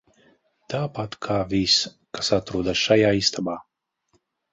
Tāpat kā viss, kas atrodas šajā istabā.